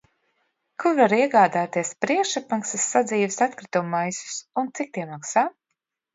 Kur var iegādāties priekšapmaksas sadzīves atkritumu maisus un cik tie maksā?